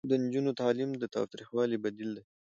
د نجونو تعلیم د تاوتریخوالي بدیل دی.